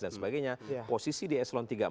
dan sebagainya posisi di eselon tiga